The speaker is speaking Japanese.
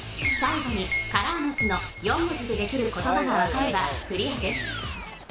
最後にカラーマスの４文字でできる言葉が分かればクリアです